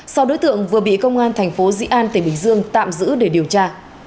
sau đối tượng vừa bị công an thành phố dĩ an tỉnh bình dương tạm giữ để điều tra